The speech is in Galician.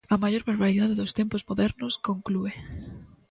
A maior barbaridade dos tempos modernos, conclúe.